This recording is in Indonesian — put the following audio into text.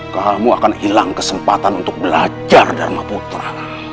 kamu akan hilang kesempatan untuk belajar dharma putra